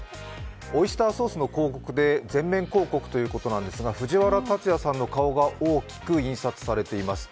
オイスターソースの広告で全面広告ということなんですが藤原竜也さんの顔が大きく印刷されています。